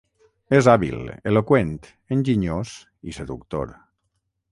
És hàbil, eloqüent, enginyós i seductor.